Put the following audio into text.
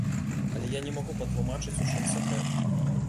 Але я не магу патлумачыць, у чым сакрэт.